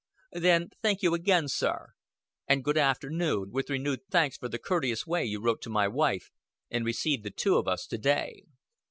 "Then thank you again, sir. And good afternoon with renewed thanks for the courteous way you wrote to my wife, and received the two of us to day."